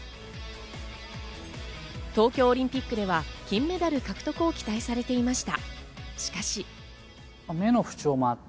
東京オリンピックでは金メダル獲得を期待されていました。